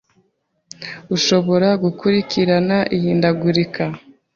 Ushobora gukurikirana ihindagurika